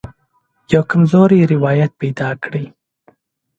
یوه کمزوری روایت پیدا کړي.